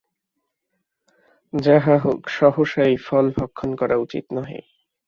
যাহা হউক, সহসা এই ফল ভক্ষণ করা উচিত নহে।